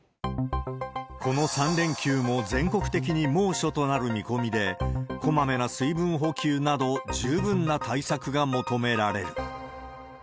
この３連休も全国的に猛暑となる見込みで、こまめな水分補給など、十分な対策が求められる。